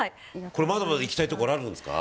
これまだまだ行きたい所あるんですか？